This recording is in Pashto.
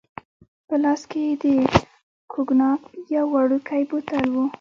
په لاس کې يې د کوګناک یو وړوکی بوتل وو.